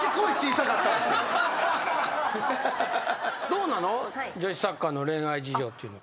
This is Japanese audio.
どうなの？